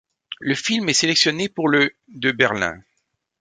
Le film est sélectionné pour le de Berlin.